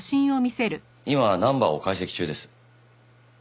今ナンバーを解析中です。